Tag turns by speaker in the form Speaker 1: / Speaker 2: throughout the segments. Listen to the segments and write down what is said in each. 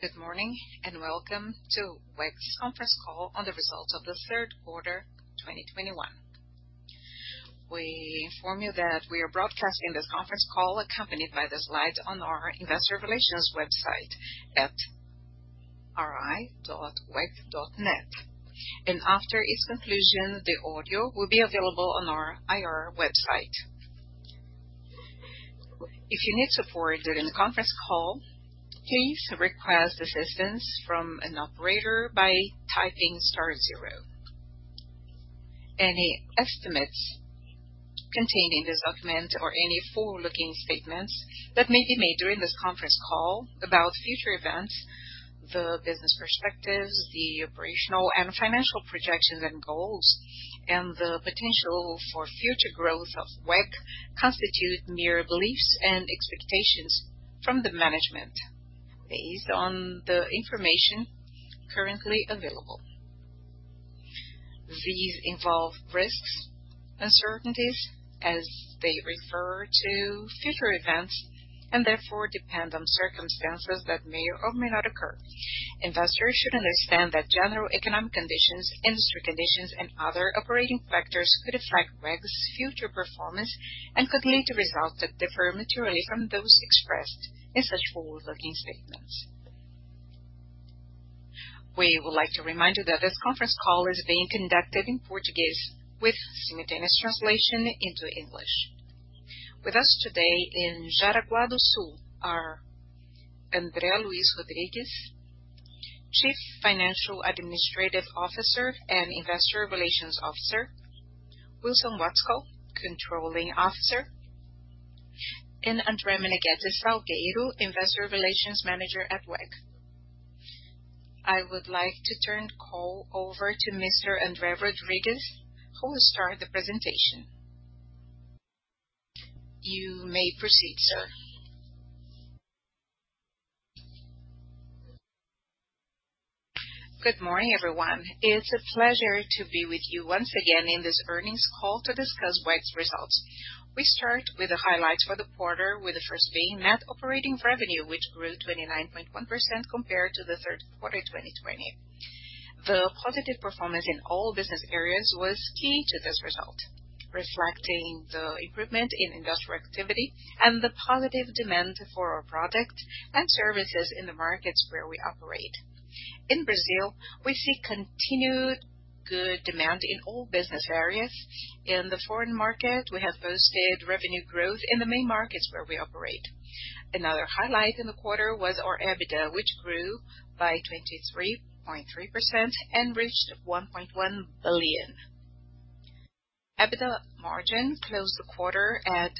Speaker 1: Good morning, and welcome to WEG's conference call on the results of the third quarter 2021. We inform you that we are broadcasting this conference call accompanied by the slides on our investor relations website at ri.weg.net. After its conclusion, the audio will be available on our IR website. If you need support during the conference call, please request assistance from an operator by typing star zero. Any estimates contained in this document or any forward-looking statements that may be made during this conference call about future events, the business perspectives, the operational and financial projections and goals, and the potential for future growth of WEG constitute mere beliefs and expectations from the management based on the information currently available. These involve risks, uncertainties as they refer to future events, and therefore depend on circumstances that may or may not occur. Investors should understand that general economic conditions, industry conditions, and other operating factors could affect WEG's future performance and could lead to results that differ materially from those expressed in such forward-looking statements. We would like to remind you that this conference call is being conducted in Portuguese with simultaneous translation into English. With us today in Jaraguá do Sul are André Luís Rodrigues, Chief Financial Administrative Officer and Investor Relations Officer, Wilson Watzko, Controlling Officer, and André Menegueti Salgueiro, Investor Relations Manager at WEG. I would like to turn the call over to Mr. André Rodrigues, who will start the presentation. You may proceed, sir.
Speaker 2: Good morning, everyone. It's a pleasure to be with you once again in this earnings call to discuss WEG's results. We start with the highlights for the quarter, with the first being net operating revenue, which grew 29.1% compared to the third quarter 2020. The positive performance in all business areas was key to this result, reflecting the improvement in industrial activity and the positive demand for our products and services in the markets where we operate. In Brazil, we see continued good demand in all business areas. In the foreign market, we have posted revenue growth in the main markets where we operate. Another highlight in the quarter was our EBITDA, which grew by 23.3% and reached 1.1 billion. EBITDA margin closed the quarter at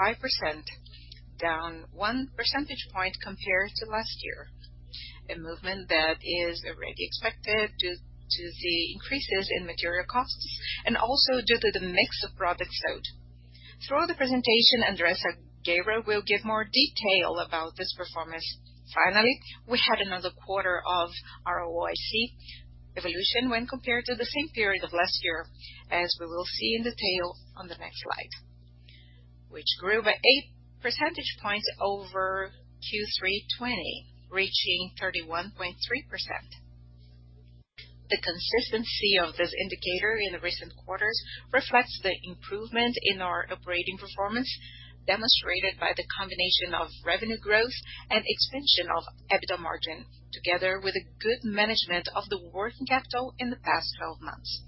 Speaker 2: 18.5%, down 1 percentage point compared to last year, a movement that is already expected due to the increases in material costs and also due to the mix of products sold. Throughout the presentation, André Salgueiro will give more detail about this performance. Finally, we had another quarter of ROIC evolution when compared to the same period of last year, as we will see in detail on the next slide, which grew by 8 percentage points over Q3 2020, reaching 31.3%. The consistency of this indicator in the recent quarters reflects the improvement in our operating performance, demonstrated by the combination of revenue growth and expansion of EBITDA margin, together with a good management of the working capital in the past 12 months.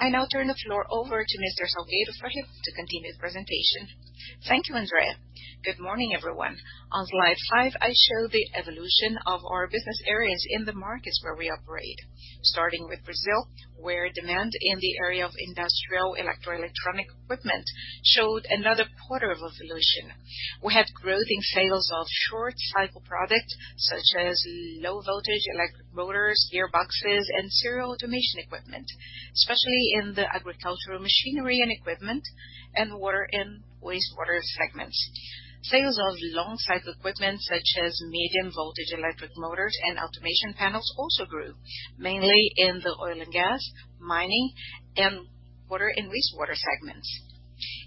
Speaker 2: I now turn the floor over to Mr. Salgueiro for him to continue the presentation.
Speaker 3: Thank you, André. Good morning, everyone. On slide five, I show the evolution of our business areas in the markets where we operate. Starting with Brazil, where demand in the area of industrial electro-electronic equipment showed another quarter of evolution. We had growth in sales of short-cycle products such as low-voltage electric motors, gearboxes, and serial automation equipment, especially in the agricultural machinery and equipment and water and wastewater segments. Sales of long-cycle equipment such as medium-voltage electric motors and automation panels also grew, mainly in the oil and gas, mining, and water and wastewater segments.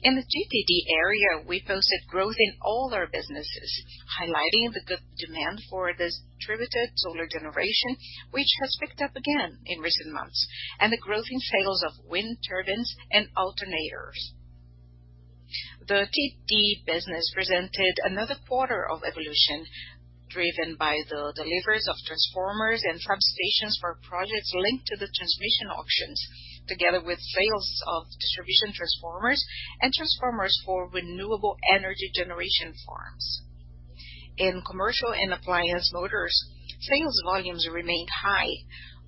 Speaker 3: In the TTD area, we posted growth in all our businesses, highlighting the good demand for distributed solar generation, which has picked up again in recent months, and the growth in sales of wind turbines and alternators. The TD business presented another quarter of evolution driven by the deliveries of transformers and substations for projects linked to the transmission auctions, together with sales of distribution transformers and transformers for renewable energy generation farms. In commercial and appliance motors, sales volumes remained high,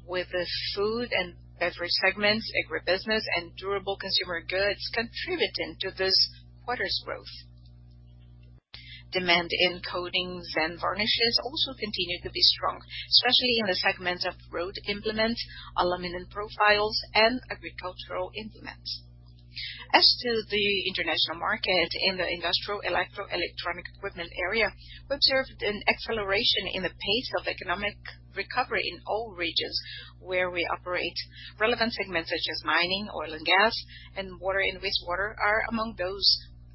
Speaker 3: with the food and beverage segments, agribusiness, and durable consumer goods contributing to this quarter's growth. Demand in coatings and varnishes also continued to be strong, especially in the segments of road implement, aluminum profiles, and agricultural implements. As to the international market, in the industrial electro-electronic equipment area, we observed an acceleration in the pace of economic recovery in all regions where we operate. Relevant segments such as mining, oil and gas, and water and wastewater are among those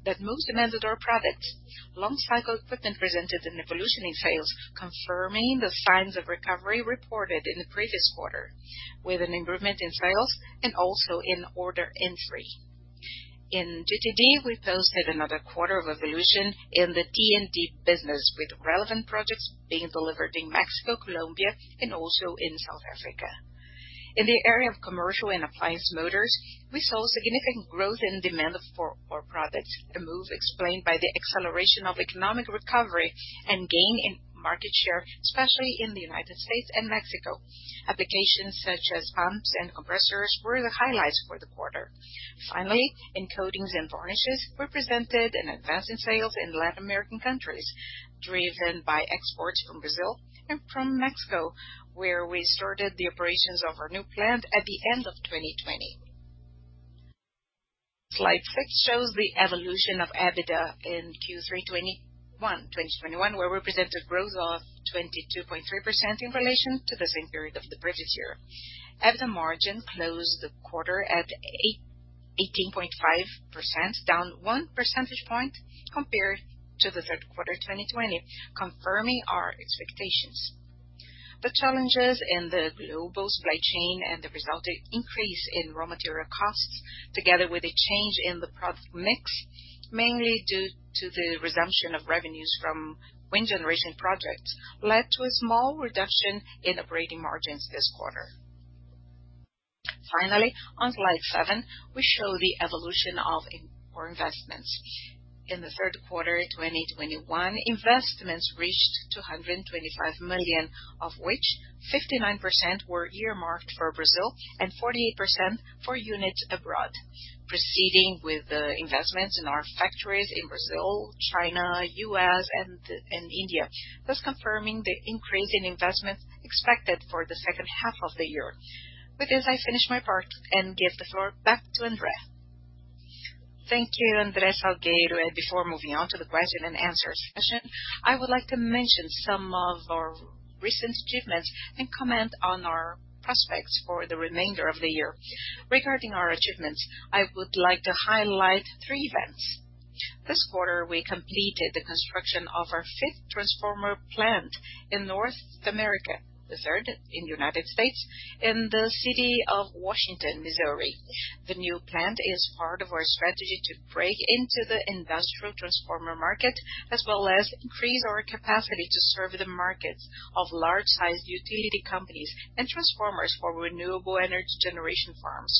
Speaker 3: that most demanded our products. Long cycle equipment presented an evolution in sales, confirming the signs of recovery reported in the previous quarter with an improvement in sales and also in order entry. In GTD we posted another quarter of evolution in the T&D business with relevant projects being delivered in Mexico, Colombia and also in South Africa. In the area of commercial and appliance motors we saw significant growth in demand for products, a move explained by the acceleration of economic recovery and gain in market share especially in the United States and Mexico. Applications such as pumps and compressors were the highlights for the quarter. Finally, in coatings and varnishes we presented an advance in sales in Latin American countries driven by exports from Brazil and from Mexico where we started the operations of our new plant at the end of 2020. Slide six shows the evolution of EBITDA in Q3 2021 where we presented growth of 22.3% in relation to the same period of the previous year. As the margin closed the quarter at 18.5%, down one percentage point compared to the third quarter 2020 confirming our expectations. The challenges in the global supply chain and the resulting increase in raw material costs together with a change in the product mix mainly due to the resumption of revenues from wind generation projects led to a small reduction in operating margins this quarter. Finally, on slide seven we show the evolution of CapEx investments. In the third quarter 2021 investments reached 225 million, of which 59% were earmarked for Brazil and 48% for units abroad. Proceeding with the investments in our factories in Brazil, China, U.S. and India thus confirming the increase in investment expected for the second half of the year. With this I finish my part and give the floor back to André.
Speaker 2: Thank you, André Salgueiro. Before moving on to the question and answer session, I would like to mention some of our recent achievements and comment on our prospects for the remainder of the year. Regarding our achievements, I would like to highlight three events. This quarter we completed the construction of our fifth transformer plant in North America, the third in the United States in the city of Washington, Missouri. The new plant is part of our strategy to break into the industrial transformer market as well as increase our capacity to serve the markets of large sized utility companies and transformers for renewable energy generation farms.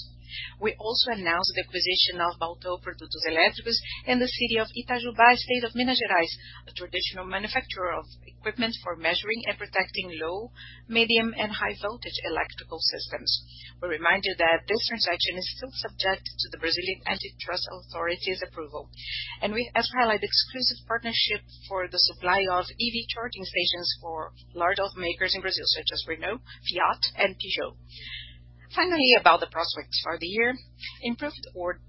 Speaker 2: We also announced the acquisition of Balteau Produtos Elétricos in the city of Itajubá, state of Minas Gerais, a traditional manufacturer of equipment for measuring and protecting low, medium and high voltage electrical systems. We remind you that this transaction is still subject to the Brazilian Antitrust Authority's approval. We also highlight exclusive partnership for the supply of EV charging stations for large automakers in Brazil such as Renault, Fiat and Peugeot. Finally, about the prospects for the year, improved order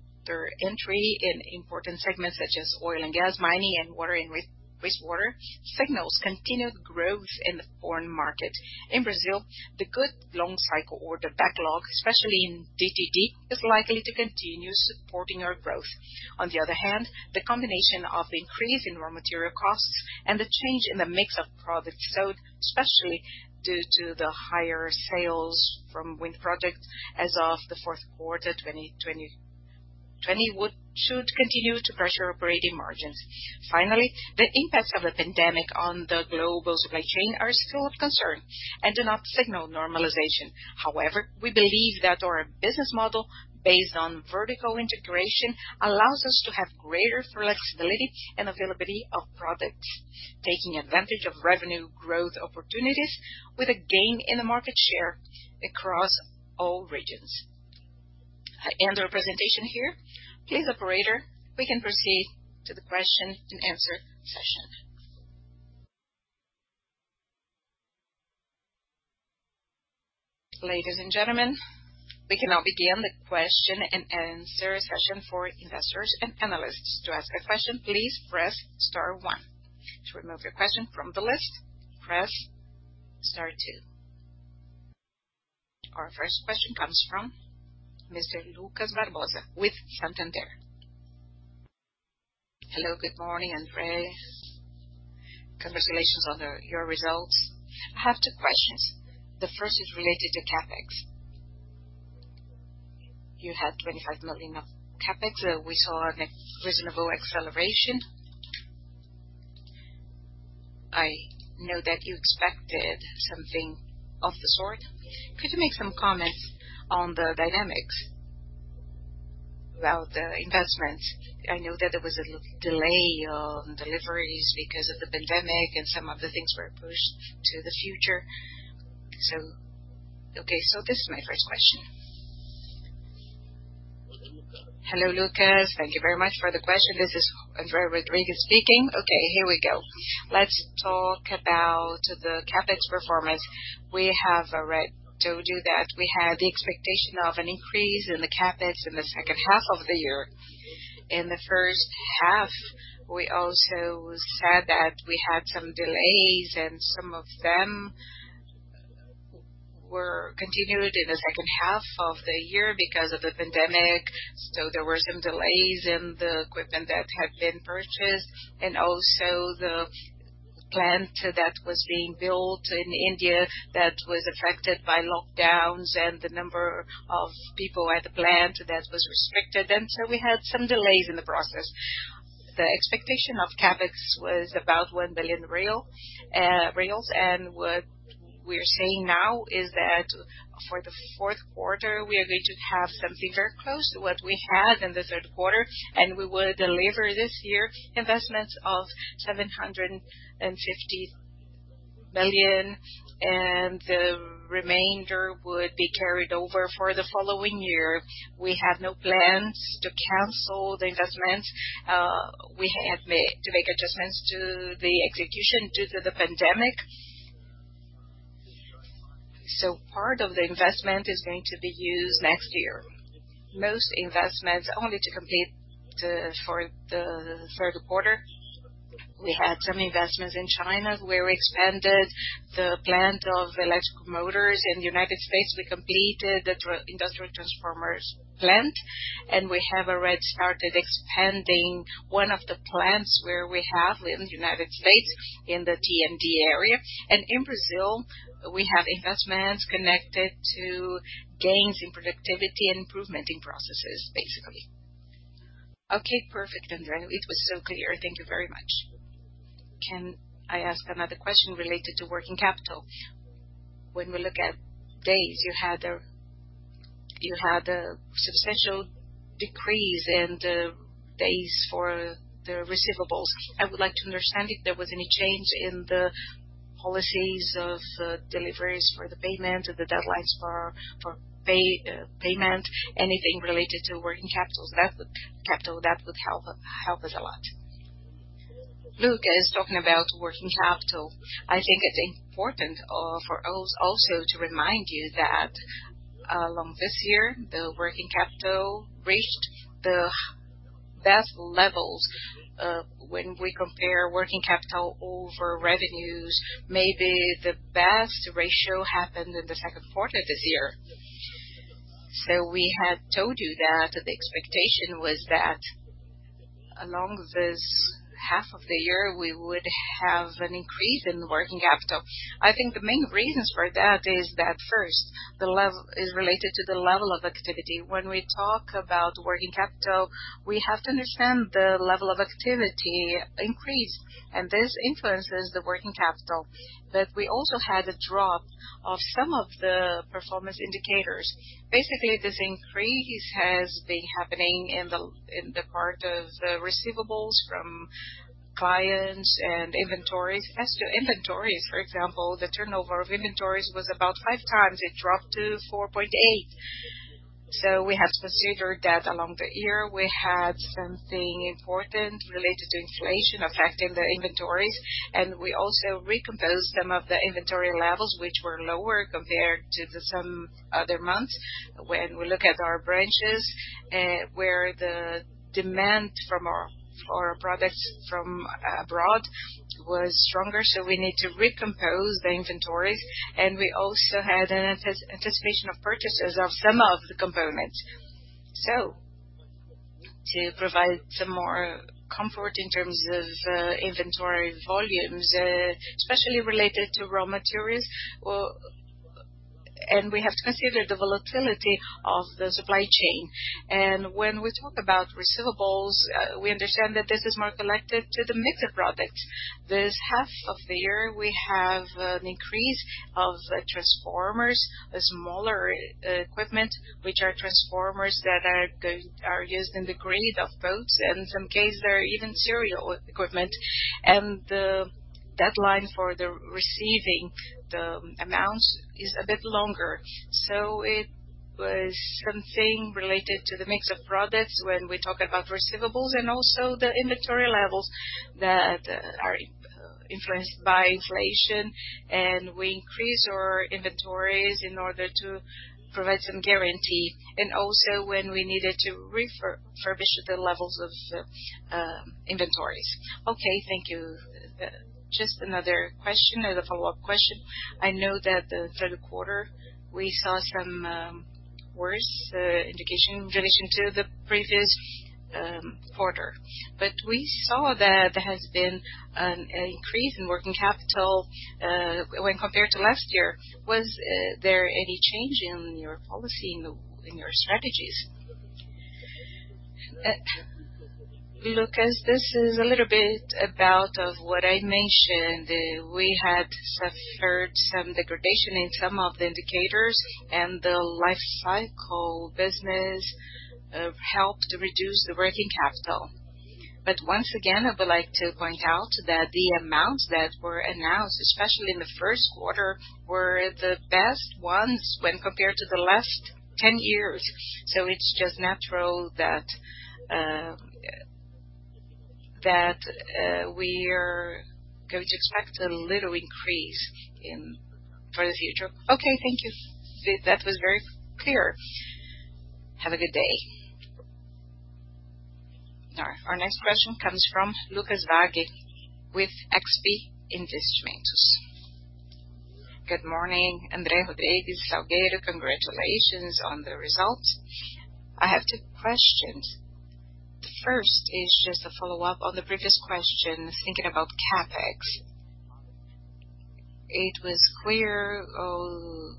Speaker 2: entry in important segments such as oil and gas mining and water and waste, wastewater signals continued growth in the foreign market. In Brazil, the good long cycle order backlog especially in GTD is likely to continue supporting our growth. On the other hand, the combination of increase in raw material costs and the change in the mix of products sold especially due to the higher sales from wind projects as of the fourth quarter 2020 should continue to pressure operating margins. Finally, the impacts of the pandemic on the global supply chain are still of concern and do not signal normalization. However, we believe that our business model based on vertical integration allows us to have greater flexibility and availability of products taking advantage of revenue growth opportunities with a gain in the market share across all regions. I end our presentation here. Please, operator, we can proceed to the question and answer session.
Speaker 1: Ladies and gentlemen, we can now begin the question and answer session for investors and analysts. To ask a question, please press star one. To remove your question from the list, press star two. Our first question comes from Mr. Lucas Barbosa with Santander.
Speaker 4: Hello, good morning, André. Congratulations on your results. I have two questions. The first is related to CapEx. You had 25 million of CapEx. We saw a reasonable acceleration. I know that you expected something of the sort. Could you make some comment on the dynamics about the investment? I know that there was a little delay on deliveries because of the pandemic and some of the things were pushed to the future. Okay, so this is my first question.
Speaker 2: Hello, Lucas. Thank you very much for the question. This is André Rodrigues speaking. Okay, here we go. Let's talk about the CapEx performance. We have already told you that we had the expectation of an increase in the CapEx in the second half of the year. In the first half, we also said that we had some delays, and some of them were continued in the second half of the year because of the pandemic. There were some delays in the equipment that had been purchased, and also the plant that was being built in India that was affected by lockdowns and the number of people at the plant that was restricted. We had some delays in the process. The expectation of CapEx was about 1 billion real reals. What we're seeing now is that for the fourth quarter, we are going to have something very close to what we had in the third quarter, and we will deliver this year investments of 750 million, and the remainder would be carried over for the following year. We have no plans to cancel the investment. We have to make adjustments to the execution due to the pandemic. Part of the investment is going to be used next year. Most investments only to complete for the third quarter. We had some investments in China, where we expanded the plant of electrical motors. In the United States, we completed the industrial transformers plant, and we have already started expanding one of the plants where we have in the United States in the T&D area. In Brazil, we have investments connected to gains in productivity and improvement in processes, basically.
Speaker 4: Okay, perfect, André. It was so clear. Thank you very much. Can I ask another question related to working capital? When we look at days, you had a substantial decrease in the days for the receivables. I would like to understand if there was any change in the policies of deliveries for the payment or the deadlines for payment, anything related to working capital. That would help us a lot.
Speaker 2: Lucas, talking about working capital, I think it's important for us also to remind you that along this year, the working capital reached the best levels when we compare working capital over revenues. Maybe the best ratio happened in the second quarter this year. We had told you that the expectation was that along this half of the year, we would have an increase in working capital. I think the main reasons for that is that first, is related to the level of activity. When we talk about working capital, we have to understand the level of activity increase, and this influences the working capital. We also had a drop of some of the performance indicators. Basically, this increase has been happening in the part of the receivables from clients and inventories. As to inventories, for example, the turnover of inventories was about 5 times. It dropped to 4.8. We have considered that along the year. We had something important related to inflation affecting the inventories, and we also recomposed some of the inventory levels which were lower compared to some other months when we look at our branches, where the demand from our products from abroad was stronger, so we need to recompose the inventories. We also had an anticipation of purchases of some of the components. To provide some more comfort in terms of inventory volumes, especially related to raw materials. We have to consider the volatility of the supply chain. When we talk about receivables, we understand that this is more connected to the mix of products. This half of the year, we have an increase of the transformers, the smaller equipment, which are transformers that are used in the grid of boats, and in some cases, they're even serial equipment. The deadline for the receiving the amounts is a bit longer. It was something related to the mix of products when we talk about receivables and also the inventory levels that are influenced by inflation. We increase our inventories in order to provide some guarantee and also when we needed to furnish the levels of inventories.
Speaker 4: Okay, thank you. Just another question as a follow-up question. I know that the third quarter we saw some worse indication in relation to the previous quarter. We saw that there has been an increase in working capital when compared to last year. Was there any change in your policy, in your strategies?
Speaker 2: Lucas, this is a little bit about what I mentioned. We had suffered some degradation in some of the indicators, and the life cycle business helped reduce the working capital. Once again, I would like to point out that the amounts that were announced, especially in the first quarter, were the best ones when compared to the last 10 years. It's just natural that we are going to expect a little increase for the future.
Speaker 4: Okay, thank you. That was very clear.
Speaker 1: Have a good day. All right. Our next question comes from Lucas Laghi with XP Investimentos.
Speaker 5: Good morning, André Rodrigues, Salgueiro. Congratulations on the result. I have two questions. The first is just a follow-up on the previous question, thinking about CapEx. It was clear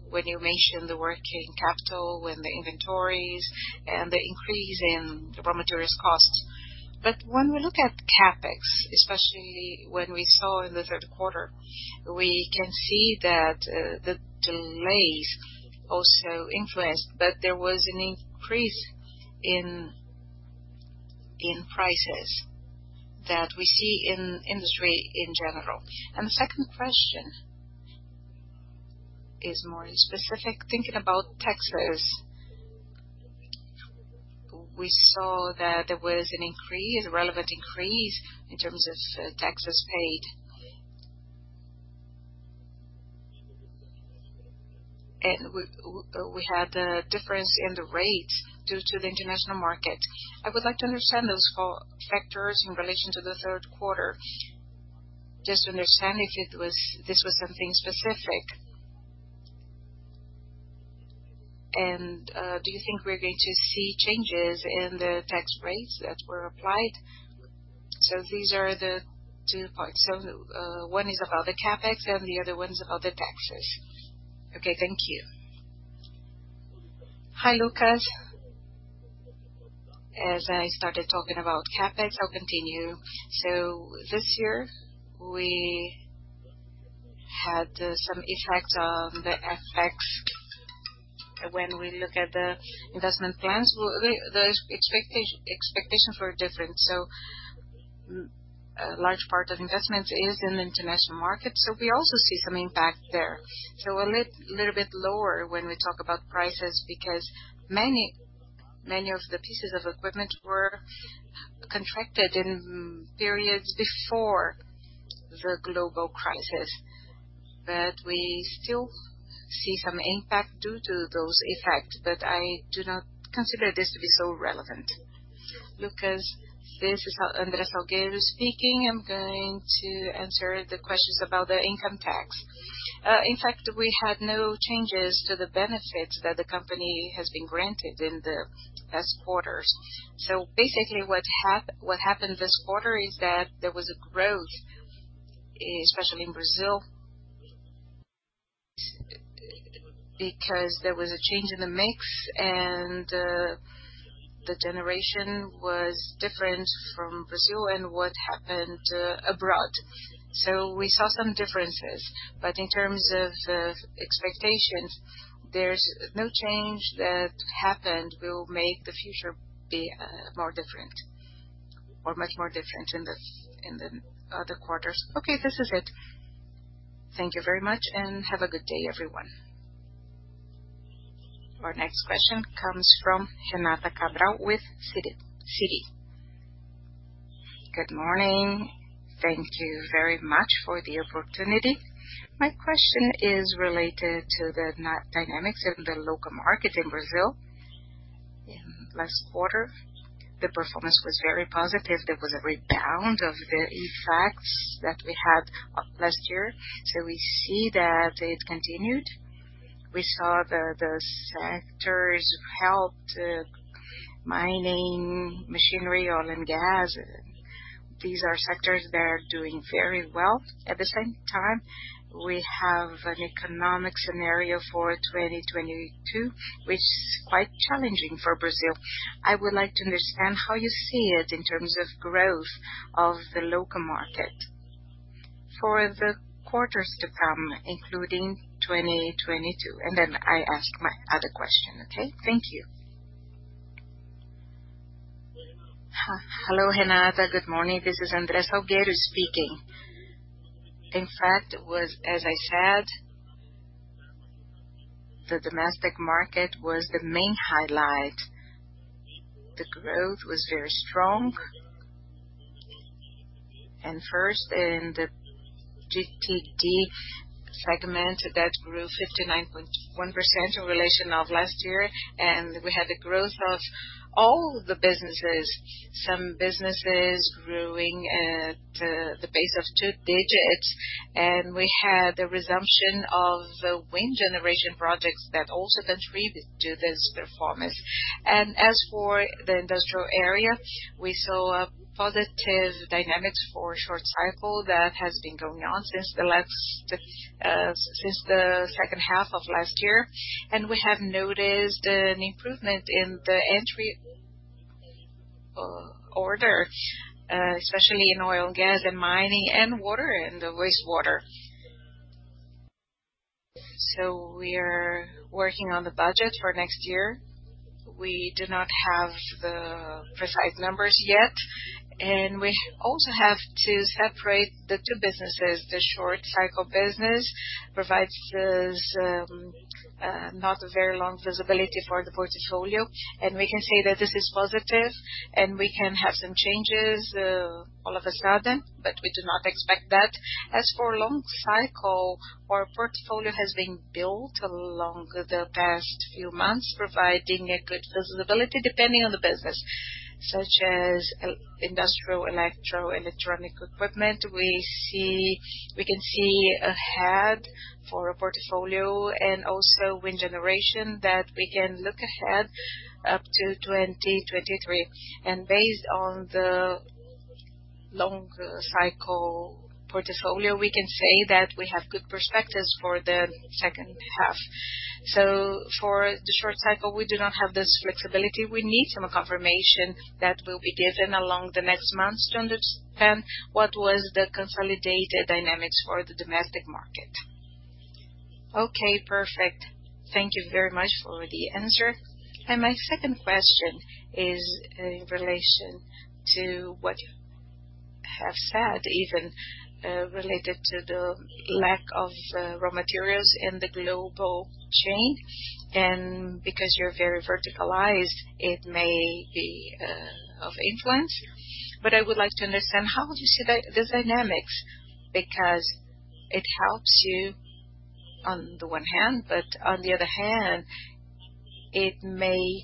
Speaker 5: when you mentioned the working capital, when the inventories and the increase in the raw materials costs. When we look at CapEx, especially when we saw in the third quarter, we can see that the delays also influenced, but there was an increase in prices that we see in industry in general. The second question is more specific. Thinking about taxes, we saw that there was an increase, relevant increase in terms of taxes paid. We had a difference in the rates due to the international market. I would like to understand those factors in relation to the third quarter, just to understand if this was something specific. Do you think we're going to see changes in the tax rates that were applied? These are the two points. One is about the CapEx and the other one is about the taxes. Okay, thank you. Hi, Lucas. As I started talking about CapEx, I'll continue. This year we had some effects of the FX when we look at the investment plans. Well, the expectations were different. Large part of investments is in the international market, so we also see some impact there. A little bit lower when we talk about prices because many of the pieces of equipment were contracted in periods before the global crisis. But we still see some impact due to those effects, but I do not consider this to be so relevant.
Speaker 3: Lucas, this is André Salgueiro speaking. I'm going to answer the questions about the income tax. In fact, we had no changes to the benefits that the company has been granted in the past quarters. Basically what happened this quarter is that there was a growth, especially in Brazil, because there was a change in the mix and, the generation was different in Brazil and what happened abroad. We saw some differences. But in terms of expectations, there's no change that happened will make the future be more different or much more different in the other quarters. Okay, this is it.
Speaker 1: Thank you very much and have a good day, everyone. Our next question comes from Gabriel Rezende with Itaú BBA. Good morning. Thank you very much for the opportunity. My question is related to the dynamics of the local market in Brazil. In last quarter, the performance was very positive.
Speaker 6: There was a rebound of the effects that we had last year. We see that it continued. We saw the sectors helped mining, machinery, oil and gas. These are sectors that are doing very well. At the same time, we have an economic scenario for 2022 which is quite challenging for Brazil. I would like to understand how you see it in terms of growth of the local market for the quarters to come, including 2022. Then I ask my other question. Okay? Thank you.
Speaker 3: Hello, Renata. Good morning. This is André Salgueiro speaking. In fact, it was, as I said, the domestic market was the main highlight. The growth was very strong. First in the GPT segment that grew 59.1% in relation to last year, and we had a growth of all the businesses. Some businesses growing at the base of two digits. We had the resumption of the wind generation projects that also contribute to this performance. As for the industrial area, we saw positive dynamics for short cycle that has been going on since the second half of last year. We have noticed an improvement in the entry order especially in oil and gas and mining and water and the wastewater. We are working on the budget for next year. We do not have the precise numbers yet, and we also have to separate the two businesses. The short cycle business provides us not a very long visibility for the portfolio, and we can say that this is positive and we can have some changes all of a sudden, but we do not expect that. As for long cycle, our portfolio has been built along the past few months, providing a good visibility depending on the business, such as el-industrial, electro, electronic equipment. We can see ahead for a portfolio and also wind generation that we can look ahead up to 2023. Based on the long cycle portfolio, we can say that we have good perspectives for the second half. For the short cycle, we do not have this flexibility. We need some confirmation that will be given along the next months to understand what was the consolidated dynamics for the domestic market. Okay, perfect. Thank you very much for the answer. My second question is in relation to what you have said, even, related to the lack of, raw materials in the global chain. Because you're very verticalized, it may be of influence.
Speaker 6: I would like to understand, how would you see the dynamics? Because it helps you on the one hand, but on the other hand, it may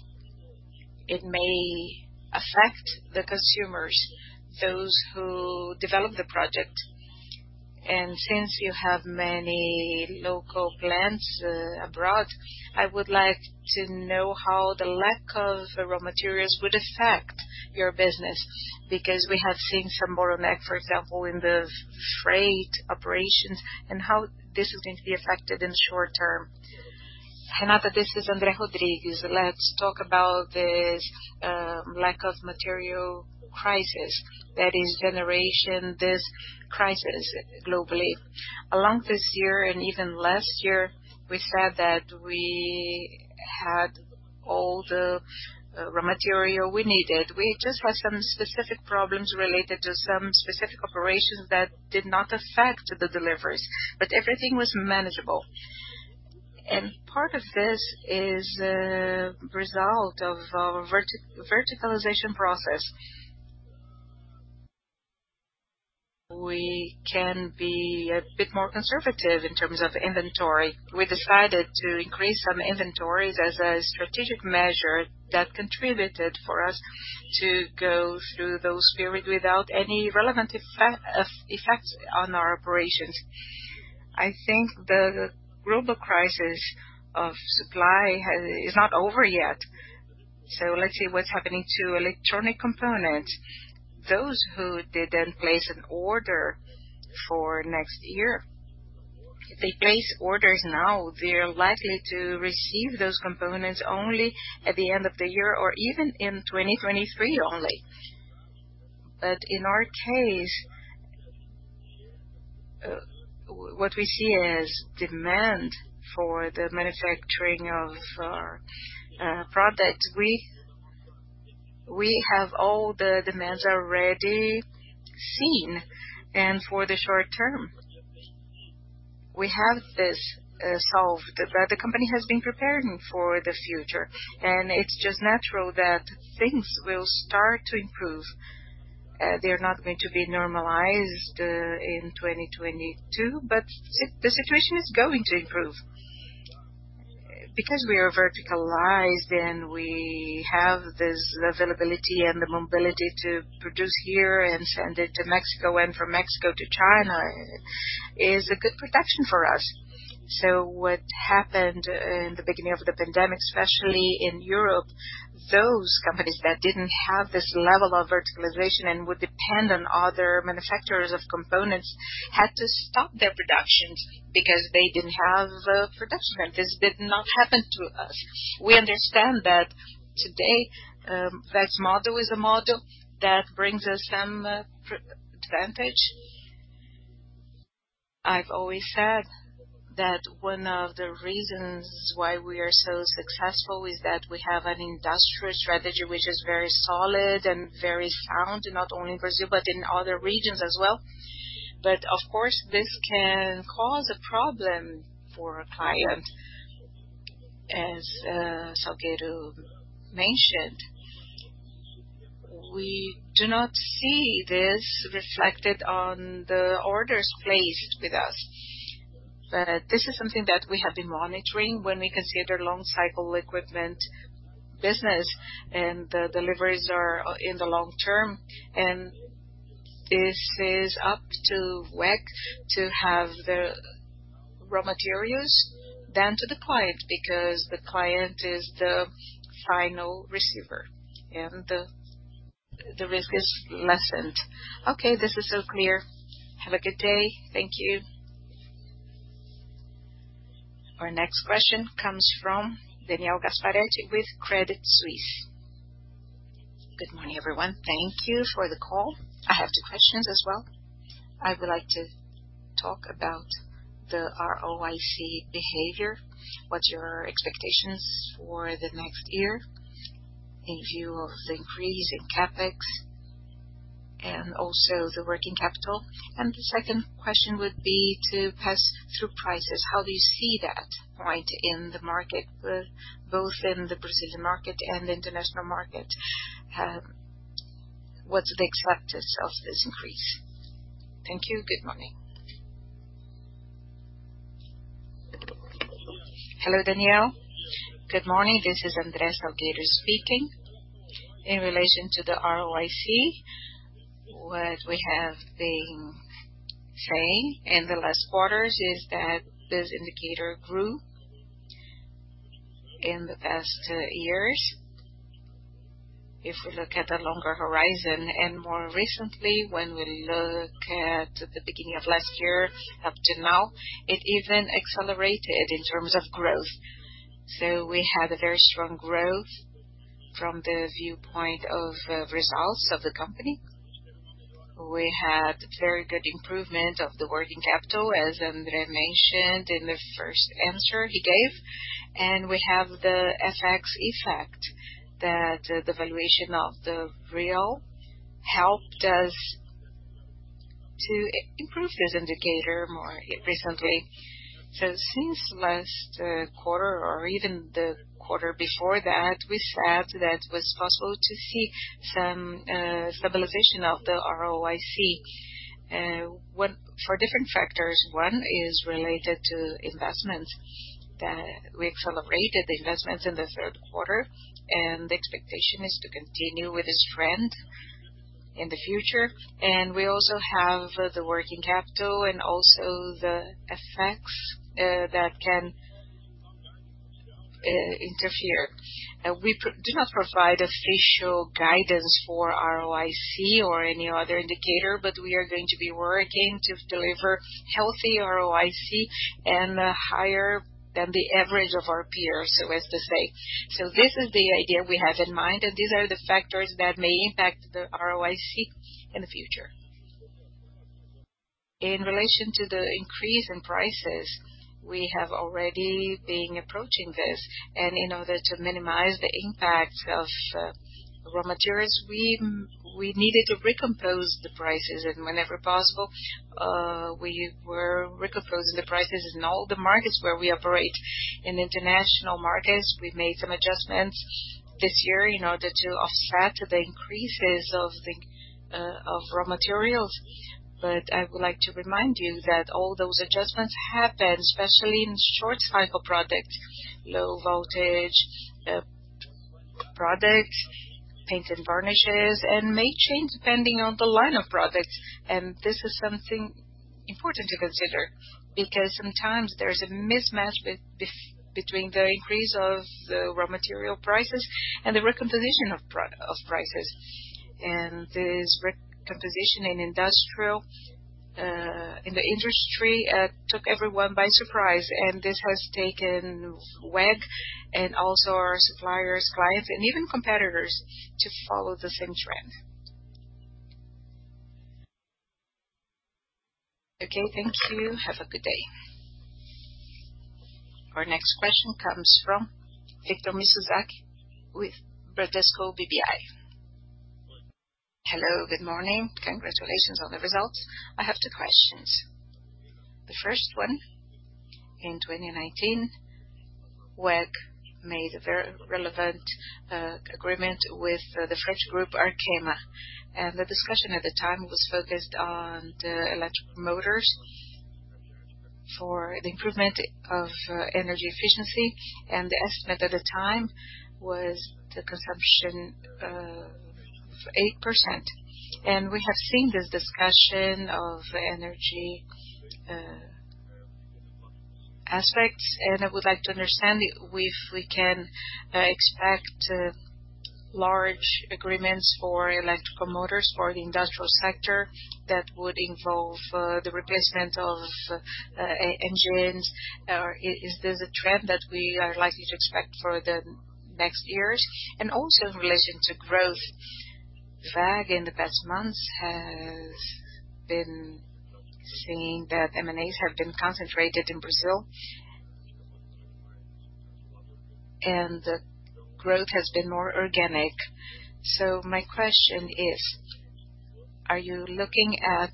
Speaker 6: affect the consumers, those who develop the project. Since you have many local plants abroad, I would like to know how the lack of raw materials would affect your business. Because we have seen some bottleneck, for example, in the freight operations and how this is going to be affected in short term.
Speaker 2: Renata, this is André Rodrigues. Let's talk about this lack of material crisis that is generating this crisis globally. All along this year and even last year, we said that we had all the raw material we needed. We just had some specific problems related to some specific operations that did not affect the deliveries, but everything was manageable. Part of this is the result of our verticalization process. We can be a bit more conservative in terms of inventory. We decided to increase some inventories as a strategic measure that contributed for us to go through those period without any relevant effect on our operations. I think the global crisis of supply is not over yet. Let's see what's happening to electronic components. Those who didn't place an order for next year, if they place orders now, they're likely to receive those components only at the end of the year or even in 2023 only. But in our case, what we see as demand for the manufacturing of our products, we have all the demands already seen. For the short term, we have this solved. The company has been preparing for the future, and it's just natural that things will start to improve. They're not going to be normalized in 2022, the situation is going to improve. We are verticalized and we have this availability and the mobility to produce here and send it to Mexico and from Mexico to China is a good protection for us. What happened in the beginning of the pandemic, especially in Europe, those companies that didn't have this level of verticalization and would depend on other manufacturers of components had to stop their productions because they didn't have production, and this did not happen to us. We understand that today, that model is a model that brings us some advantage. I've always said that one of the reasons why we are so successful is that we have an industrial strategy which is very solid and very sound, not only in Brazil, but in other regions as well. Of course, this can cause a problem for a client. As Salgueiro mentioned, we do not see this reflected on the orders placed with us. This is something that we have been monitoring when we consider long cycle equipment business and the deliveries are in the long term. This is up to WEG to have the raw materials than to the client, because the client is the final receiver, and the risk is lessened. Okay, this is so clear. Have a good day. Thank you.
Speaker 1: Our next question comes from Daniel Gasparete with Credit Suisse. Good morning, everyone. Thank you for the call.
Speaker 7: I have two questions as well. I would like to talk about the ROIC behavior. What's your expectations for the next year in view of the increase in CapEx and also the working capital? And the second question would be to pass through prices. How do you see that point in the market, both in the Brazilian market and international market? What's the expected sales increase? Thank you. Good morning. Hello, Daniel Gasparete. Good morning. This is André Salgueiro speaking. In relation to the ROIC, what we have been saying in the last quarters is that this indicator grew in the past years. If we look at the longer horizon and more recently when we look at the beginning of last year up to now, it even accelerated in terms of growth. We had a very strong growth from the viewpoint of results of the company. We had very good improvement of the working capital, as André mentioned in the first answer he gave. We have the FX effect that the valuation of the real helped us to improve this indicator more recently. Since last quarter or even the quarter before that, we said that it was possible to see some stabilization of the ROIC for different factors. One is related to investment, that we accelerated the investments in the third quarter, and the expectation is to continue with this trend in the future. We also have the working capital and also the effects that can interfere. We do not provide official guidance for ROIC or any other indicator, but we are going to be working to deliver healthy ROIC and higher than the average of our peers, so as to say.
Speaker 3: This is the idea we have in mind, and these are the factors that may impact the ROIC in the future. In relation to the increase in prices, we have already been approaching this. In order to minimize the impact of raw materials, we needed to recompose the prices. Whenever possible, we were recomposing the prices in all the markets where we operate. In international markets, we made some adjustments this year in order to offset the increases of the raw materials. I would like to remind you that all those adjustments happen especially in short cycle products, low voltage products, paints and varnishes, and may change depending on the line of products. This is something important to consider because sometimes there's a mismatch between the increase of the raw material prices and the recomposition of prices. This recomposition in industrial in the industry took everyone by surprise, and this has taken WEG and also our suppliers, clients, and even competitors to follow the same trend. Okay. Thank you.
Speaker 1: Have a good day. Our next question comes from Victor Mizusaki with Bradesco BBI. Hello, good morning. Congratulations on the results. I have two questions. The first one, in 2019, WEG made a very relevant agreement with the French group Arkema, and the discussion at the time was focused on the electric motors for the improvement of energy efficiency. The estimate at the time was the consumption 8%.
Speaker 8: We have seen this discussion of energy aspects, and I would like to understand if we can expect large agreements for electrical motors for the industrial sector that would involve the replacement of engines. Or is this a trend that we are likely to expect for the next years? Also in relation to growth, WEG in the past months has been seeing that M&As have been concentrated in Brazil and the growth has been more organic. My question is, are you looking at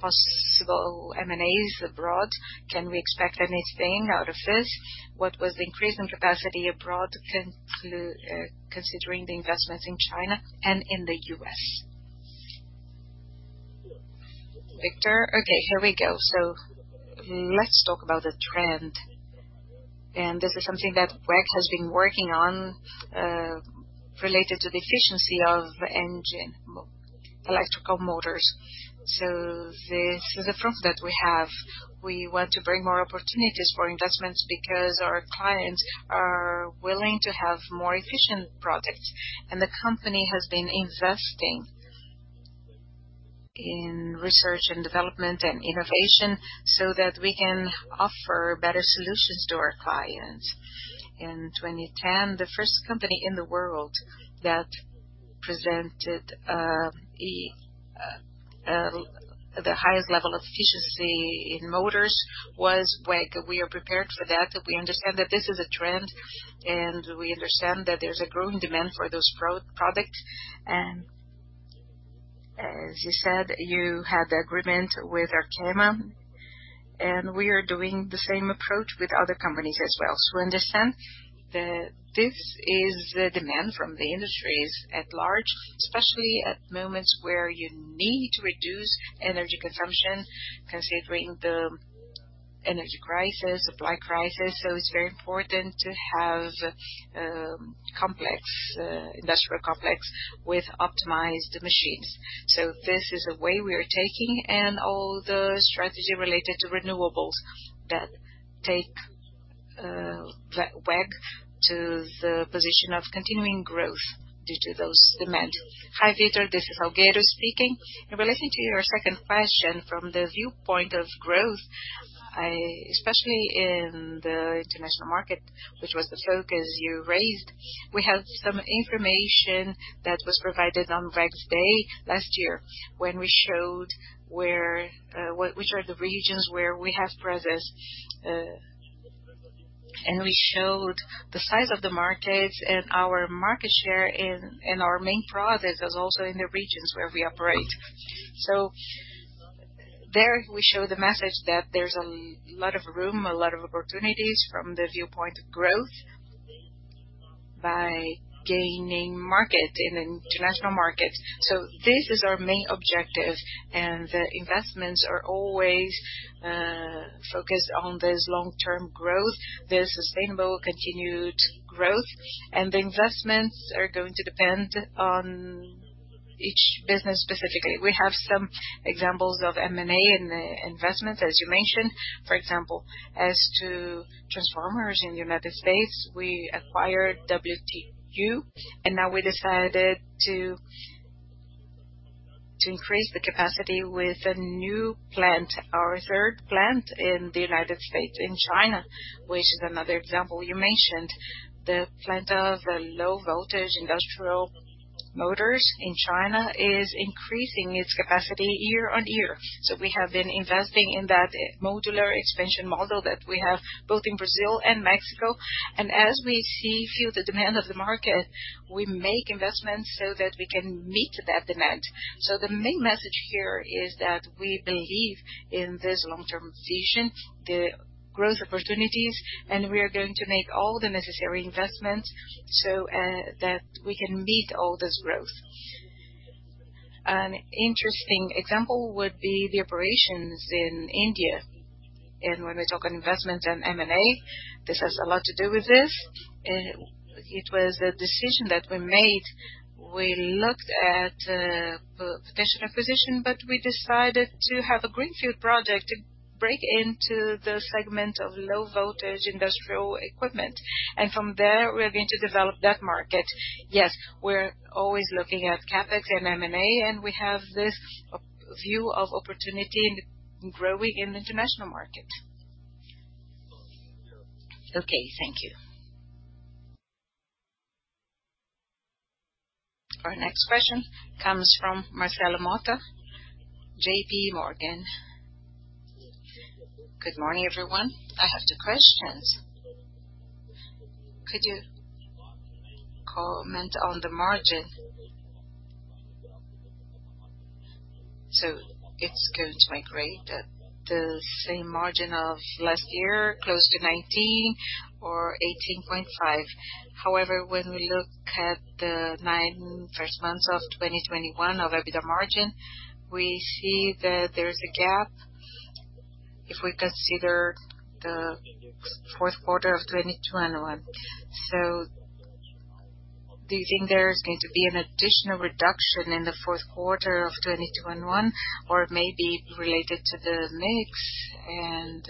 Speaker 8: possible M&As abroad? Can we expect anything out of this? What was the increase in capacity abroad considering the investments in China and in the U.S.? Victor, okay, here we go. Let's talk about the trend. This is something that WEG has been working on, related to the efficiency of electrical motors. This is a front that we have. We want to bring more opportunities for investments because our clients are willing to have more efficient products, and the company has been investing in research and development and innovation so that we can offer better solutions to our clients. In 2010, the first company in the world that presented the highest level of efficiency in motors was WEG. We are prepared for that, and we understand that this is a trend, and we understand that there's a growing demand for those products. As you said, you had the agreement with Arkema, and we are doing the same approach with other companies as well. Understand that this is the demand from the industries at large, especially at moments where you need to reduce energy consumption considering the energy crisis, supply crisis. It's very important to have complex industrial complex with optimized machines. This is the way we are taking and all the strategy related to renewables that take WEG to the position of continuing growth due to those demands.
Speaker 3: Hi, Victor, this is André Salgueiro speaking. In relation to your second question, from the viewpoint of growth, especially in the international market, which was the focus you raised. We have some information that was provided on WEG Day last year when we showed which are the regions where we have presence. We showed the size of the markets and our market share in our main products as well as in the regions where we operate. There we show the message that there's a lot of room, a lot of opportunities from the viewpoint of growth by gaining market in the international market. This is our main objective, and the investments are always focused on this long-term growth, the sustainable continued growth. The investments are going to depend on each business specifically. We have some examples of M&A in the investments, as you mentioned. For example, as to transformers in United States, we acquired WTU, and now we decided to increase the capacity with a new plant, our third plant in the United States. In China, which is another example you mentioned, the plant of the low voltage industrial motors in China is increasing its capacity year-on-year. We have been investing in that modular expansion model that we have both in Brazil and Mexico. As we feel the demand of the market, we make investments so that we can meet that demand. The main message here is that we believe in this long-term vision, the growth opportunities, and we are going to make all the necessary investments so that we can meet all this growth. An interesting example would be the operations in India. When we talk investment and M&A, this has a lot to do with this. It was a decision that we made. We looked at potential acquisition, but we decided to have a greenfield project to break into the segment of low voltage industrial equipment. From there, we are going to develop that market. Yes, we're always looking at CapEx and M&A, and we have this view of opportunity in growing in the international market.
Speaker 1: Okay, thank you. Our next question comes from Marcelo Mota, JPMorgan. Good morning, everyone. I have two questions. Could you comment on the margin? It's going to migrate at the same margin of last year, close to 19% or 18.5%. However, when we look at the first nine months of 2021 EBITDA margin, we see that there is a gap if we consider the fourth quarter of 2021.
Speaker 9: Do you think there is going to be an additional reduction in the fourth quarter of 2021, or it may be related to the mix and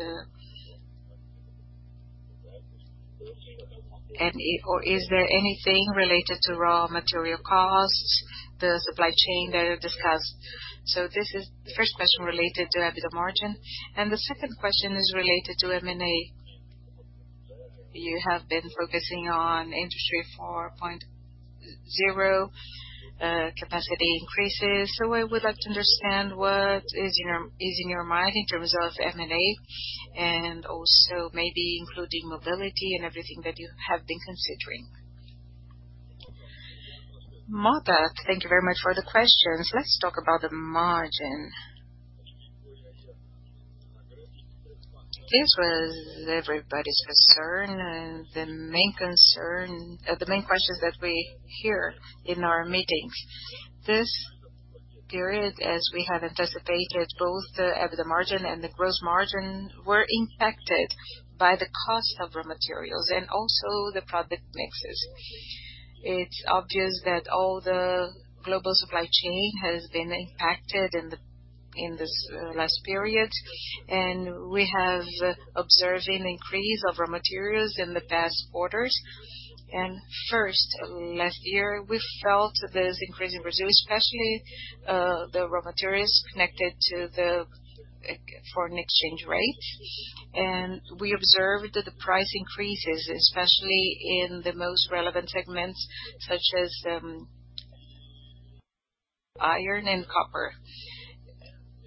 Speaker 9: or is there anything related to raw material costs, the supply chain that you discussed? This is the first question related to EBITDA margin, and the second question is related to M&A. You have been focusing on Industry 4.0, capacity increases. I would like to understand what is in your mind in terms of M&A and also maybe including mobility and everything that you have been considering.
Speaker 2: Motta, thank you very much for the questions. Let's talk about the margin. This was everybody's concern and the main questions that we hear in our meetings. This period, as we had anticipated, both the EBITDA margin and the gross margin were impacted by the cost of raw materials and also the product mixes. It's obvious that all the global supply chain has been impacted, and then in this last period. We have been observing increase of raw materials in the past quarters. First, last year, we felt this increase in Brazil, especially, the raw materials connected to the foreign exchange rate. We observed that the price increases, especially in the most relevant segments such as iron and copper.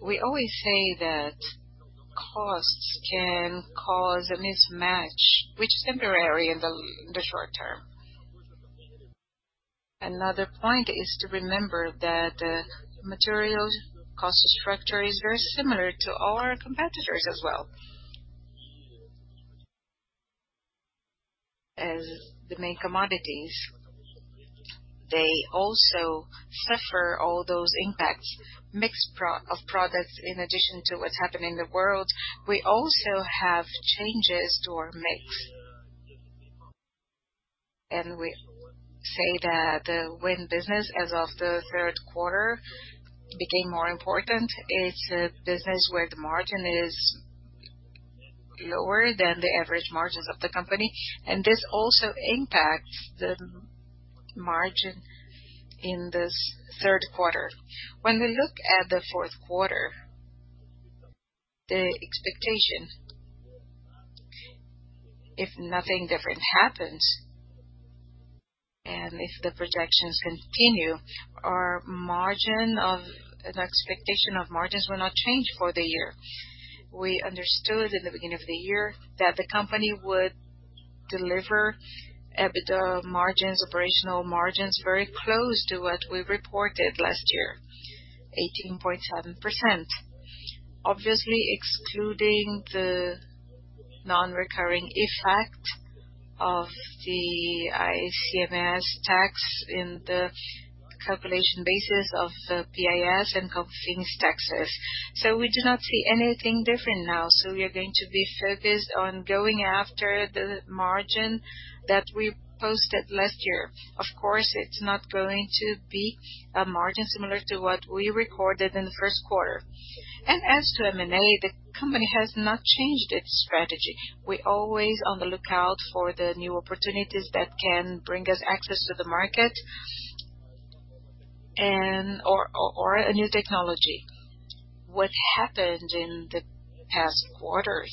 Speaker 2: We always say that costs can cause a mismatch which is temporary in the short term. Another point is to remember that materials cost structure is very similar to our competitors as well. As the main commodities, they also suffer all those impacts. mix of products in addition to what's happening in the world, we also have changes to our mix. We say that the wind business as of the third quarter became more important. It's a business where the margin is lower than the average margins of the company. This also impacts the margin in this third quarter. When we look at the fourth quarter, the expectation, if nothing different happens, and if the projections continue, our margin, the expectation of margins will not change for the year. We understood in the beginning of the year that the company would deliver EBITDA margins, operational margins, very close to what we reported last year, 18.7%. Obviously, excluding the non-recurring effect of the ICMS tax in the calculation basis of the PIS and COFINS taxes. We do not see anything different now, so we are going to be focused on going after the margin that we posted last year. Of course, it's not going to be a margin similar to what we recorded in the first quarter. As to M&A, the company has not changed its strategy. We're always on the lookout for the new opportunities that can bring us access to the market and/or a new technology. What happened in the past quarters,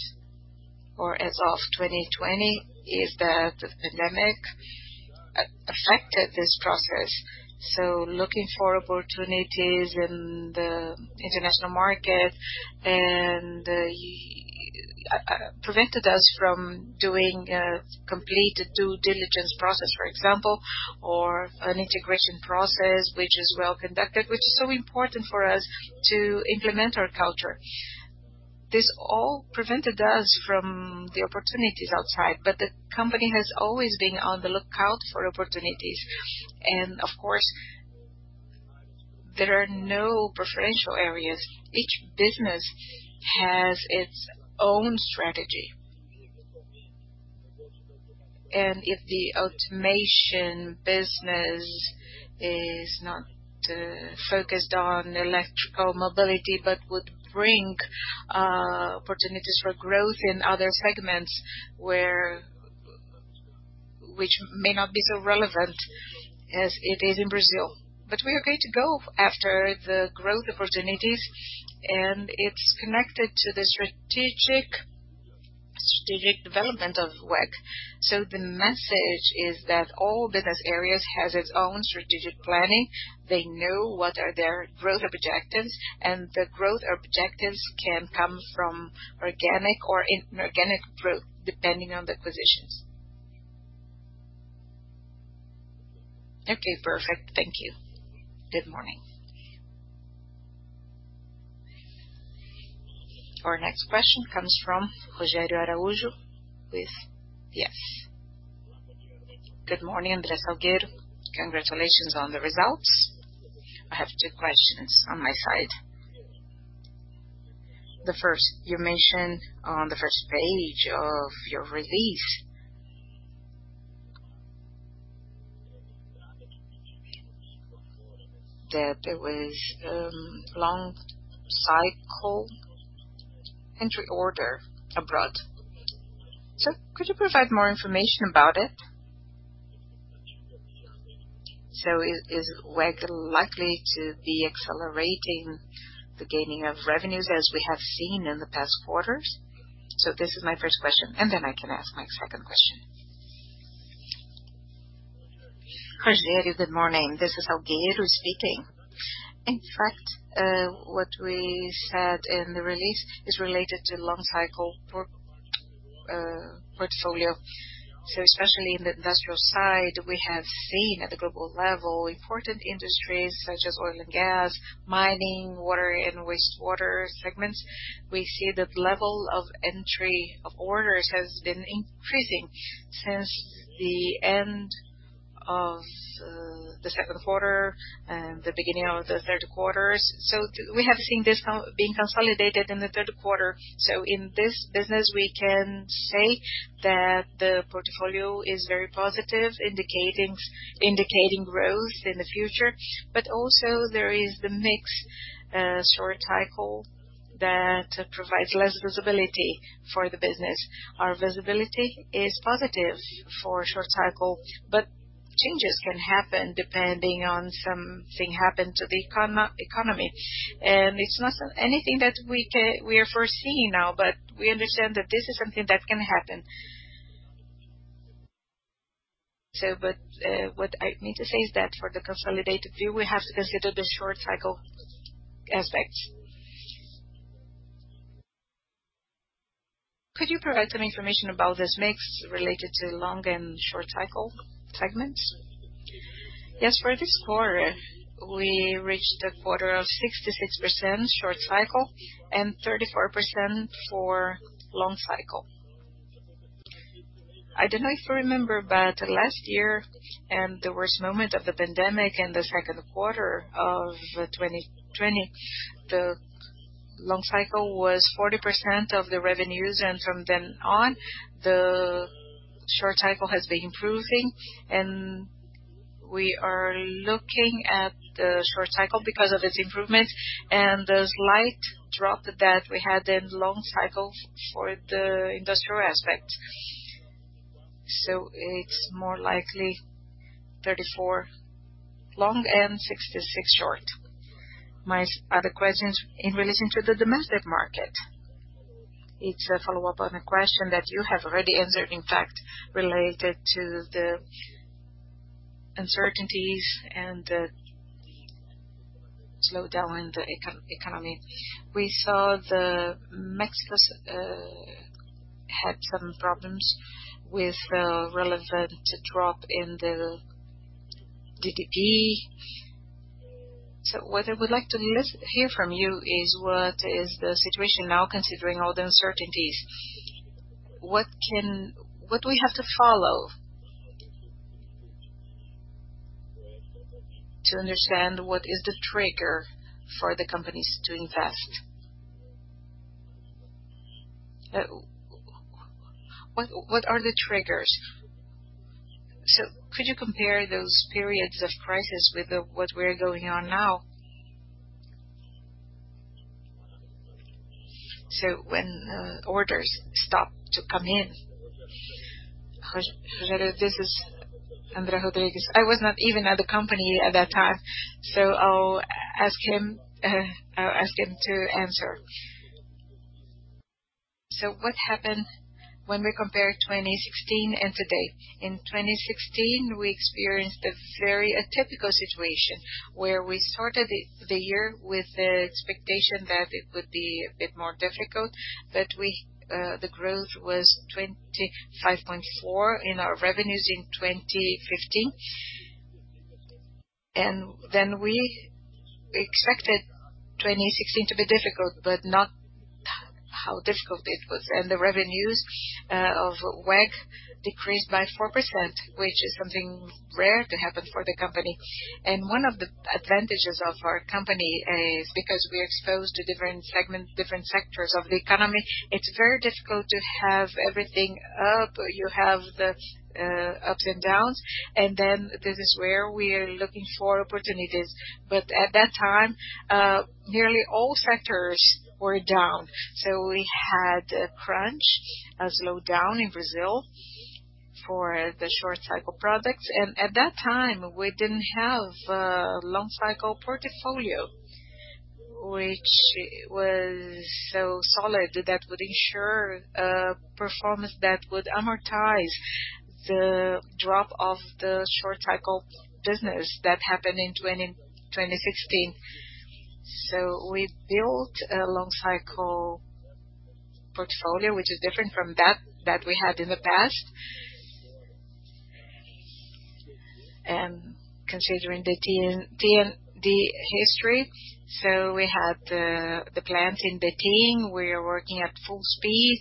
Speaker 2: or as of 2020, is that the pandemic affected this process. Looking for opportunities in the international market prevented us from doing a completed due diligence process, for example, or an integration process which is well conducted, which is so important for us to implement our culture. This all prevented us from the opportunities outside, but the company has always been on the lookout for opportunities. Of course, there are no preferential areas. Each business has its own strategy. If the automation business is not focused on electrical mobility, but would bring opportunities for growth in other segments which may not be so relevant as it is in Brazil. We are going to go after the growth opportunities, and it's connected to the strategic development of WEG. The message is that all business areas has its own strategic planning. They know what are their growth objectives, and the growth objectives can come from organic or inorganic growth, depending on the acquisitions. Okay, perfect. Thank you. Good morning. Our next question comes from Rogério Araújo with BofA. Good morning, André Salgueiro. Congratulations on the results.
Speaker 10: I have two questions on my side. The first, you mentioned on the first page of your release that there was long cycle entry order abroad. Could you provide more information about it? Is WEG likely to be accelerating the gaining of revenues as we have seen in the past quarters? This is my first question, and then I can ask my second question. Rogério, good morning. This is Salgueiro speaking. In fact, what we said in the release is related to long cycle portfolio. Especially in the industrial side, we have seen at the global level, important industries such as oil and gas, mining, water and wastewater segments. We see that level of entry of orders has been increasing since the end of the second quarter and the beginning of the third quarter.
Speaker 3: We have seen this being consolidated in the third quarter. In this business, we can say that the portfolio is very positive, indicating growth in the future. Also there is the mix, short cycle that provides less visibility for the business. Our visibility is positive for short cycle, but changes can happen depending on something happened to the economy. It's not something that we are foreseeing now, but we understand that this is something that can happen. What I need to say is that for the consolidated view, we have to consider the short cycle aspect. Could you provide some information about this mix related to long and short cycle segments? Yes. For this quarter, we reached 66% short cycle and 34% for long cycle. I don't know if you remember, but last year and the worst moment of the pandemic in the second quarter of 2020, the long cycle was 40% of the revenues. From then on, the short cycle has been improving, and we are looking at the short cycle because of its improvement and the slight drop that we had in long cycle for the industrial aspect. It's more likely 34% long and 66% short. My other question is in relation to the domestic market. It's a follow-up on a question that you have already answered, in fact, related to the uncertainties and the slowdown in the economy. We saw the Mexico had some problems with a relevant drop in the GDP.
Speaker 10: What I would like to hear from you is what is the situation now, considering all the uncertainties. What do we have to follow to understand what is the trigger for the companies to invest? What are the triggers? Could you compare those periods of crisis with what's going on now? When orders stop coming in. Roger, this is André Rodrigues. I was not even at the company at that time, so I'll ask him to answer. What happened when we compare 2016 and today? In 2016, we experienced a very atypical situation, where we started the year with the expectation that it would be a bit more difficult. The growth was 25.4% in our revenues in 2015.
Speaker 2: We expected 2016 to be difficult, but not how difficult it was. The revenues of WEG decreased by 4%, which is something rare to happen for the company. One of the advantages of our company is because we're exposed to different segments, different sectors of the economy, it's very difficult to have everything up. You have the ups and downs, and then this is where we're looking for opportunities. At that time, nearly all sectors were down. We had a crunch, a slowdown in Brazil for the short cycle products. At that time, we didn't have a long cycle portfolio which was so solid that would ensure performance that would amortize the drop of the short cycle business that happened in 2016. We built a long cycle portfolio, which is different from that we had in the past. Considering the TND history, we had the plant in Betim, we are working at full speed,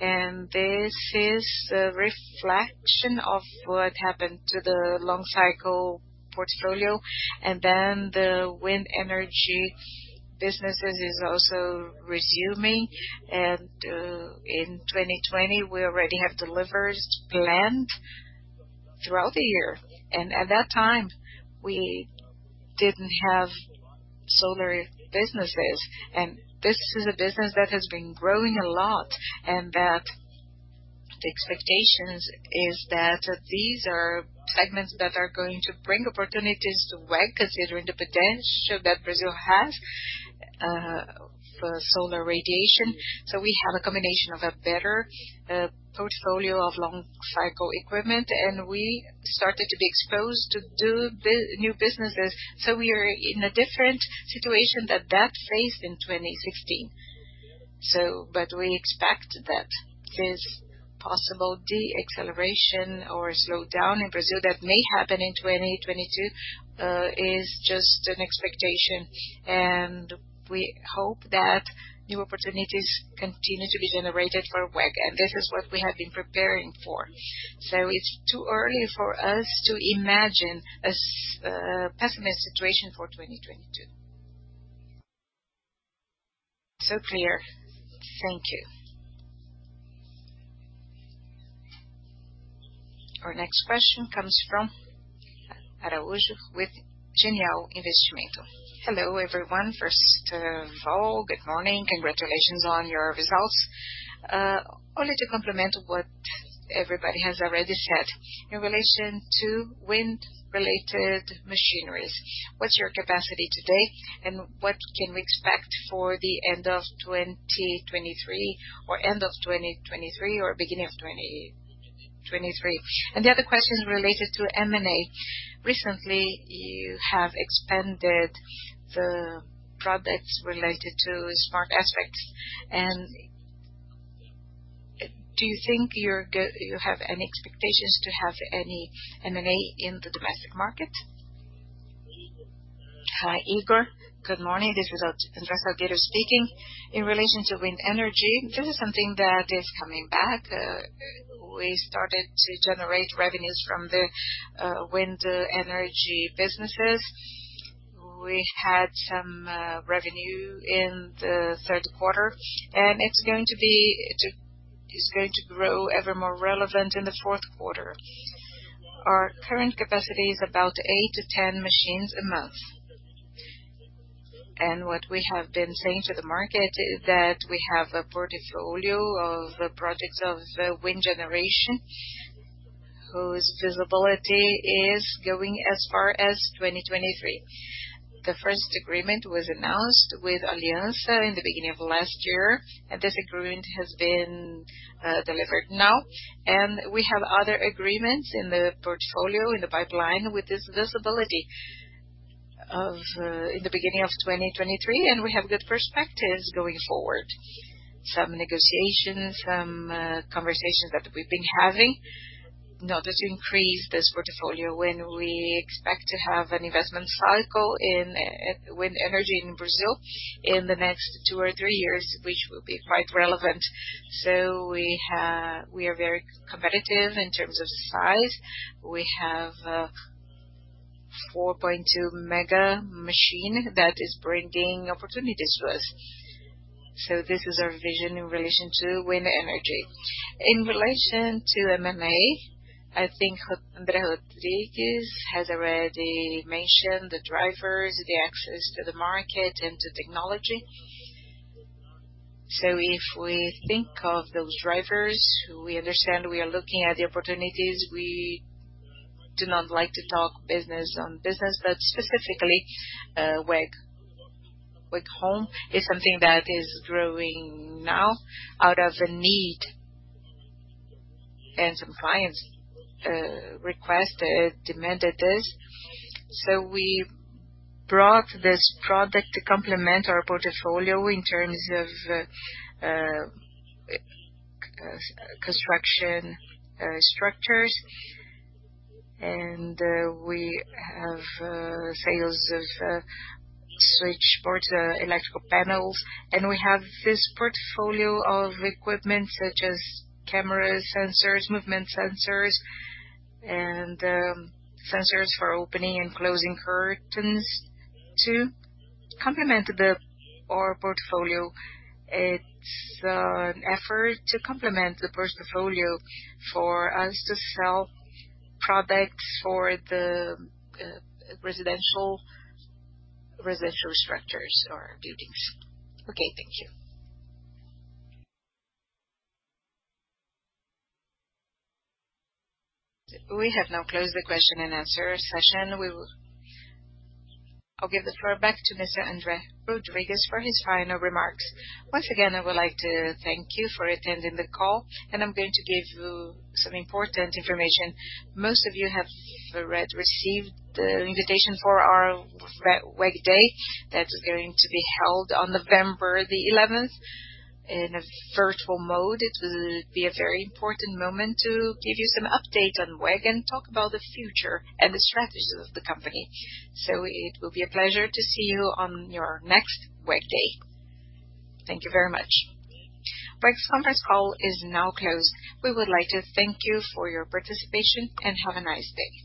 Speaker 2: and this is a reflection of what happened to the long cycle portfolio. The wind energy businesses is also resuming. In 2020, we already have deliveries planned throughout the year. At that time, we didn't have solar businesses. This is a business that has been growing a lot and that the expectations is that these are segments that are going to bring opportunities to WEG, considering the potential that Brazil has for solar radiation. We have a combination of a better portfolio of long cycle equipment, and we started to be exposed to new businesses. We are in a different situation than that faced in 2015. We expect that this possible deceleration or slowdown in Brazil that may happen in 2022 is just an expectation, and we hope that new opportunities continue to be generated for WEG. This is what we have been preparing for. It's too early for us to imagine a pessimistic situation for 2022. That's clear. Thank you. Our next question comes from Ygor Araujo with Genial Investimentos. Hello, everyone. First of all, good morning. Congratulations on your results. Only to complement what everybody has already said. In relation to wind-related machineries, what's your capacity today, and what can we expect for the end of 2023 or beginning of 2023? The other question is related to M&A. Recently, you have expanded the products related to smart aspects.
Speaker 11: Do you think you have any expectations to have any M&A in the domestic market? Hi, Ygor. Good morning. This is André Menegueti Salgueiro speaking. In relation to wind energy, this is something that is coming back. We started to generate revenues from the wind energy businesses. We had some revenue in the third quarter, and it's going to grow ever more relevant in the fourth quarter. Our current capacity is about 8-10 machines a month. What we have been saying to the market is that we have a portfolio of projects of wind generation whose visibility is going as far as 2023. The first agreement was announced with Aliança in the beginning of last year, and this agreement has been delivered now.
Speaker 3: We have other agreements in the portfolio, in the pipeline with this visibility of, in the beginning of 2023, and we have good perspectives going forward. Some negotiations, some, conversations that we've been having now to increase this portfolio when we expect to have an investment cycle in, wind energy in Brazil in the next two or three years, which will be quite relevant. We are very competitive in terms of size. We have a 4.2 mega machine that is bringing opportunities to us. This is our vision in relation to wind energy. In relation to M&A, I think André Rodrigues has already mentioned the drivers, the access to the market and to technology. If we think of those drivers who we understand we are looking at the opportunities, we do not like to talk business on business, but specifically, WEG Home is something that is growing now out of a need, and some clients requested demanded this. We brought this product to complement our portfolio in terms of construction structures. We have sales of switchboards electrical panels, and we have this portfolio of equipment such as cameras, sensors, movement sensors, and sensors for opening and closing curtains to complement our portfolio. It's an effort to complement the portfolio for us to sell products for the residential structures or buildings. Okay, thank you. We have now closed the question and answer session. I'll give the floor back to Mr. André Rodrigues for his final remarks.
Speaker 2: Once again, I would like to thank you for attending the call, and I'm going to give you some important information. Most of you have already received the invitation for our WEG Day that is going to be held on November the eleventh in a virtual mode. It will be a very important moment to give you some update on WEG and talk about the future and the strategies of the company. It will be a pleasure to see you on your next WEG Day. Thank you very much. WEG's conference call is now closed. We would like to thank you for your participation, and have a nice day.